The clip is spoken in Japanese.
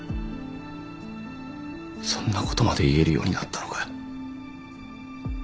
そんなことまで言えるようになったのかよ。